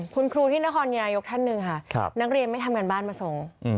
คุณครูที่นครนายกท่านหนึ่งค่ะนักเรียนไม่ทำการบ้านมาส่ง